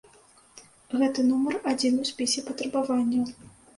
Гэта нумар адзін у спісе патрабаванняў.